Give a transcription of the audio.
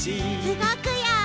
うごくよ！